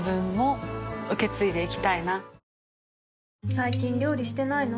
最近料理してないの？